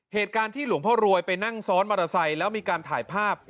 เหตุการณ์ที่หลวงพ่อรวยไปนั่งซ้อนมอเตอร์ไซค์แล้วมีการถ่ายภาพ